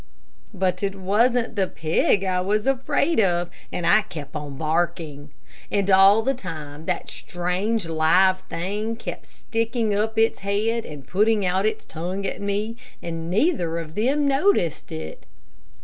But it wasn't the pig I was afraid of, and I kept on barking. And all the time that strange live thing kept sticking up its head and putting out its tongue at me, and neither of them noticed it.